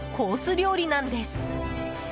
料理なんです。